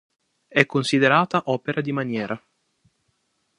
È considerata opera di maniera.